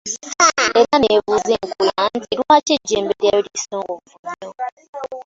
Era neebuuza enkula nti, lwaki ejjembe lyayo lisongovu nnyo.